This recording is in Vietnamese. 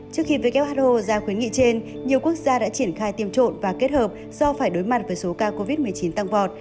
trước khi who ra khuyến nghị trên nhiều quốc gia đã triển khai tiêm trộm và kết hợp do phải đối mặt với số ca covid một mươi chín tăng vọt